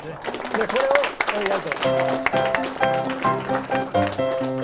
でこれをやると。